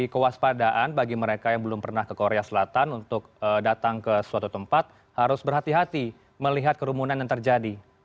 kewaspadaan bagi mereka yang belum pernah ke korea selatan untuk datang ke suatu tempat harus berhati hati melihat kerumunan yang terjadi